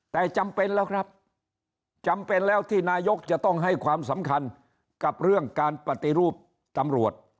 แต่จำเป็นแล้วครับจำเป็นแล้วที่นายกจะต้องให้ความสำคัญกับเรื่องการปฏิรูปตำรวจ